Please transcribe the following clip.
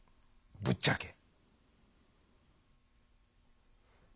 ぶっちゃけ。